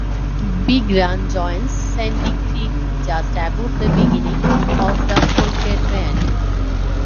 Big Run joins Sandy Creek just above the beginning of the Polecat Bend.